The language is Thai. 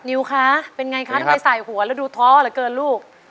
นิวคะเป็นไงคะทำไมใส่หัวแล้วดูท้อเหลือเกินลูก